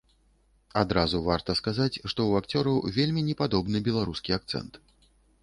Адразу варта сказаць, што ў акцёраў вельмі не падобны беларускі акцэнт.